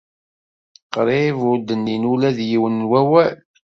Qrib ur d-nnin ula d yiwen n wawal.